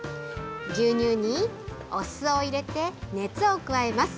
牛乳にお酢を入れて熱を加えます。